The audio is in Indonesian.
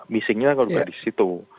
missingnya kalau disitu